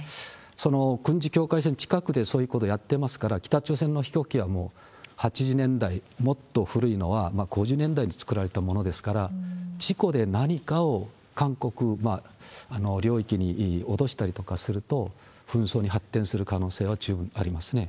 その軍事境界線近くでそういうことやってますから、北朝鮮の飛行機はもう８０年代、もっと古いのは５０年代に作られたものですから、事故で何かを韓国領域に落としたりとかすると、紛争に発展する可能性は十分ありますね。